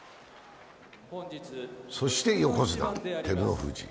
そして横綱・照ノ富士。